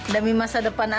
demi masa depan anaknya